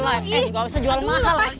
udah lah gak usah jual mahal